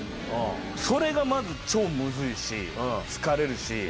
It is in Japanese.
それがまず超ムズいし疲れるし。